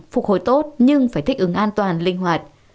phục hồi tốt nhưng phải thích ứng an toàn linh hoạt